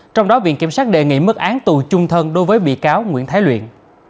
trong đó viện kiểm sát đề nghị mức án tù chung thân đối với bị cáo nguyễn thái luyện